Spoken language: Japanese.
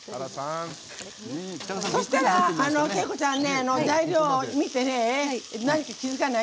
そうしたら景子ちゃん材料を見て何か気付かない？